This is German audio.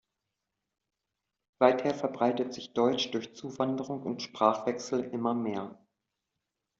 Seither verbreitet sich Deutsch durch Zuwanderung und Sprachwechsel immer mehr.